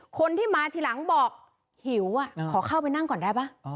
คนที่มาทีหลังบอกหิวขอเข้าไปนั่งก่อนได้ป่ะ